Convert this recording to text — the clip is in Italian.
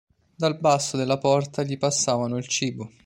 Dal basso della porta gli passavano il cibo.